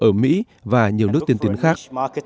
ở mỹ và nhiều nước tiên tiến khác